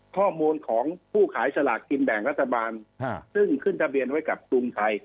ข้อมูลของผู้ขายสลากกินแบ่งรัฐบาลซึ่งขึ้นทะเบียนไว้กับกรุงไทย